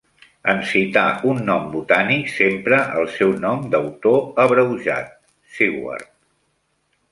En citar un nom botànic, s'empra el seu nom d'autor abreujat, Seward.